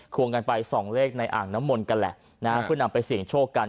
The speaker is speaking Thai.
วงกันไปส่องเลขในอ่างน้ำมนต์กันแหละนะฮะเพื่อนำไปเสี่ยงโชคกัน